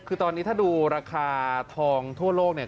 คือตอนนี้ถ้าดูราคาทองทั่วโลกเนี่ย